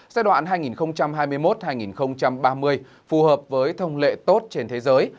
giai đoạn hai nghìn hai mươi một hai nghìn ba mươi phù hợp với thông lệ tốt trên thế giới